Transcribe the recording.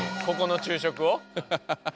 ここの昼食を？